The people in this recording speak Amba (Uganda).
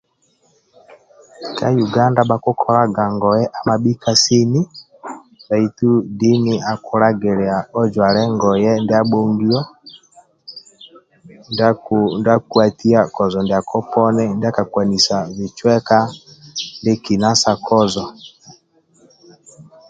Ka uganda bhakulolaga ngoye amabhika sini baitu dini akukulafilia ojwale ngoye ndia abhongio ndia akuhatia kozo ndiako poni ndia ka kuanisa bicweka ndiekina sa kozo